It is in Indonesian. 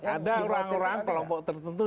ada orang orang kelompok tertentu